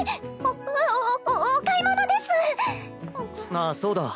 あっそうだ。